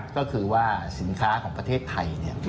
ก็คือว่าสินค้าของประเทศไทย